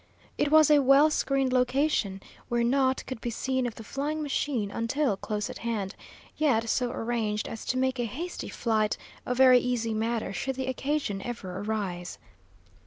It was a well screened location, where naught could be seen of the flying machine until close at hand, yet so arranged as to make a hasty flight a very easy matter should the occasion ever arise.